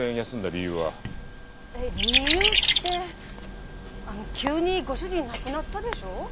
理由って急にご主人亡くなったでしょ。